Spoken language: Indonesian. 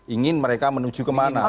ingin mereka menuju kemana